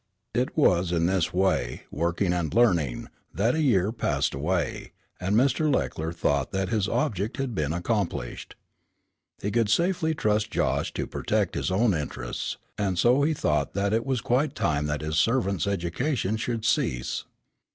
It was in this way, working and learning, that a year passed away, and Mr. Leckler thought that his object had been accomplished. He could safely trust Josh to protect his own interests, and so he thought that it was quite time that his servant's education should cease.